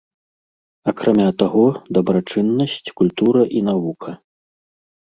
Акрамя таго, дабрачыннасць, культура і навука.